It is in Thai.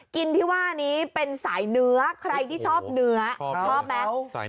กินที่ว่านี้เป็นสายเนื้อใครที่ชอบเนื้อชอบไหม